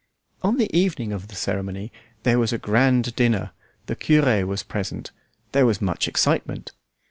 On the evening of the ceremony there was a grand dinner; the cure was present; there was much excitement.